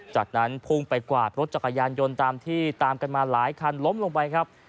จากนั้นพุ่งไปกวาดรถจักรยานยนต์ตามที่ตามกันมาหลายคันล้มลงไปครับ